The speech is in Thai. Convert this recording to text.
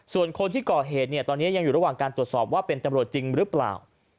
ส่วนคนที่ก่อเหตุเนี่ยตอนนี้ยังอยู่ระหว่างการตรวจสอบว่าเป็นตำรวจจริงหรือเปล่า